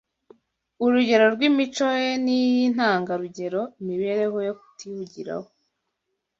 Urugero rw’imico ye y’intangarugero, imibereho yo kutihugiraho